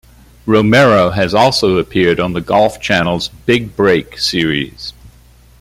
Romero has also appeared on The Golf Channel's "Big Break" series.